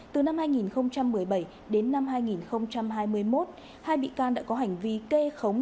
từ năm hai nghìn một mươi bảy đến năm hai nghìn hai mươi một hai bị can đã có hành vi kê khống